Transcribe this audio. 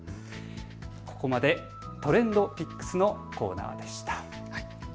ここまでＴｒｅｎｄＰｉｃｋｓのコーナーでした。